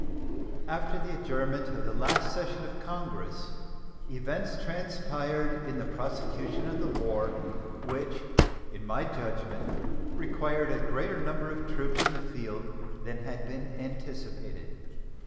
After the adjournment of the last session of Congress events transpired in the prosecution of the war which in my judgment required a greater number of troops in the field than had been anticipated.